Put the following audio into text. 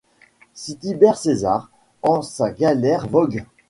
Si Tibère César en sa galère vogue